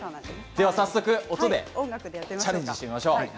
音でチャレンジしてみましょう。